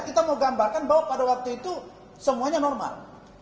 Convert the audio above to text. kita mau gambarkan bahwa pada waktu itu semuanya normal